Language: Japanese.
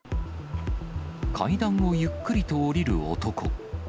階段をゆっくりと下りる男。